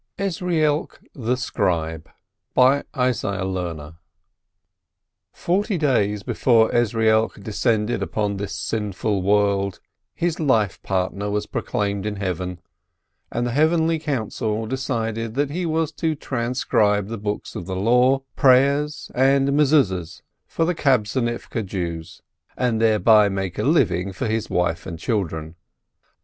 EZRIELK THE SCRIBE Forty days before Ezrielk descended upon this sinful world, his life partner was proclaimed in Heaven, and the Heavenly Council decided that he was to transcribe the books of the Law, prayers, and Mezuzehs for the Kabtzonivke Jews, and thereby make a living for his wife and children.